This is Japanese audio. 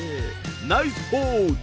ナイスポーズ！